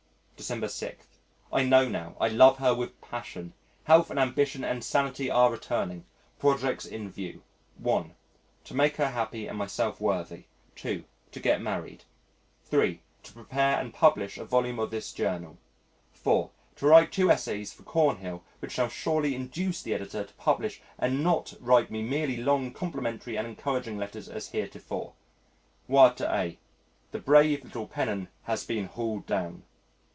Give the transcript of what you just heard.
December 6. I know now I love her with passion. Health and ambition and sanity are returning. Projects in view: (1) To make her happy and myself worthy. (2) To get married. (3) To prepare and publish a volume of this Journal. (4) To write two essays for Cornhill which shall surely induce the Editor to publish and not write me merely long complimentary and encouraging letters as heretofore. Wired to A , "The brave little pennon has been hauled down."